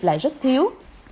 lại rất thiếu